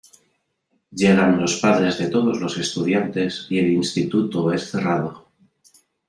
Llegan los padres de todos los estudiantes y el instituto es cerrado.